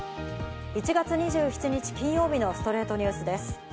１月２７日、金曜日の『ストレイトニュース』です。